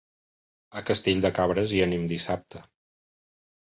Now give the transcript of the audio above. A Castell de Cabres hi anem dissabte.